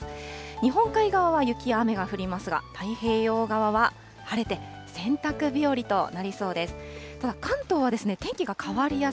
日本海側は雪や雨が降りますが、太平洋側は晴れて、洗濯日和となりそうです。